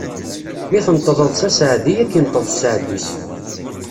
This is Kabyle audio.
Mi tenṭeḍeḍ s aseɛdi, ad k-inṭeḍ seɛd-is.